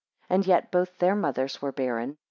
And yet both their mothers were barren.